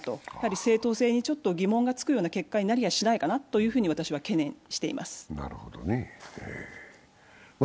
正当性に疑問がつくような結果になりやしないかなと懸念しています。